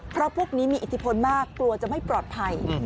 เพราะพวกนี้มีอิทธิพลมากกลัวจะไม่ปลอดภัย